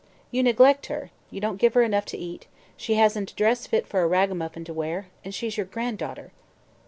"You neglect her; you don't give her enough to eat; she hasn't a dress fit for a ragamuffin to wear. And she's your granddaughter."